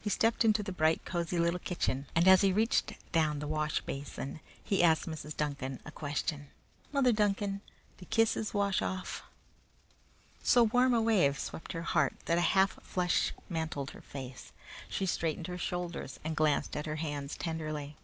He stepped into the bright, cosy little kitchen, and as he reached down the wash basin he asked Mrs. Duncan a question. "Mother Duncan, do kisses wash off?" So warm a wave swept her heart that a half flush mantled her face. She straightened her shoulders and glanced at her hands tenderly.